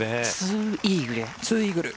２イーグル。